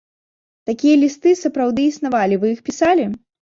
Такія лісты сапраўды існавалі, вы іх пісалі?